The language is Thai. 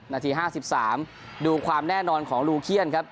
นาทีห้าสิบสามดูความแน่นอนของลูเคียนครับ